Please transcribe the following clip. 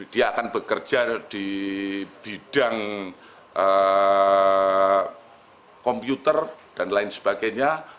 dia akan bekerja di bidang komputer dan lain sebagainya